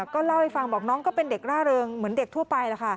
ก็เล่าให้ฟังบอกน้องก็เป็นเด็กร่าเริงเหมือนเด็กทั่วไปแล้วค่ะ